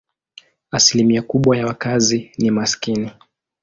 Asilimia kubwa ya wakazi ni maskini.